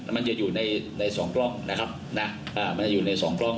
มันจะอยู่ในสองกล้องนะครับนะมันจะอยู่ในสองกล้อง